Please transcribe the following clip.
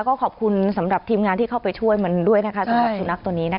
ก็ขอบคุณสำหรับทีมงานที่เข้าไปช่วยมันด้วยนะคะสำหรับสุนัขตัวนี้นะคะ